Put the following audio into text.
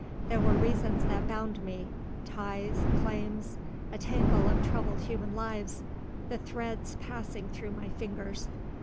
There were reasons that bound me; ties; claims; a tangle of troubled human lives the threads passing through my fingers.